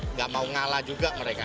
nggak mau ngalah juga mereka